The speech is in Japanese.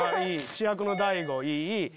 主役の大悟いい。